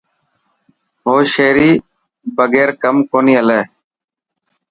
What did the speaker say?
هوشيري بگير ڪم ڪونهي هلي.